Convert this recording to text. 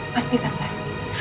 pasti kan kak